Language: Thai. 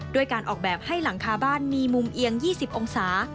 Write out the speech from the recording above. ด้วยการออกแบบให้หลังคาบ้านมีมุมเอียง๒๐องศา